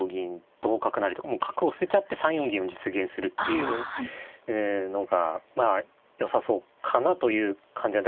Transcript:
同角成とかもう角を捨てちゃって３四銀を実現するっていうのがまあよさそうかなという感じは第一感はするんですが。